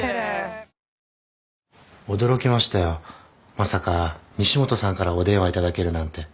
まさか西本さんからお電話頂けるなんて。